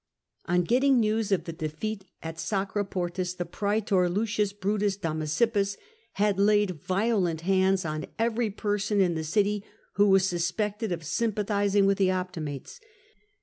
On getting news of the defeat at Sacriportus, the praetor L. Brutus Damasippus had laid violent hands on every person in the city who was suspected of sympathising with the Optimates.